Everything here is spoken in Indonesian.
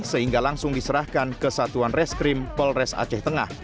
sehingga langsung diserahkan ke satuan reskrim polres aceh tengah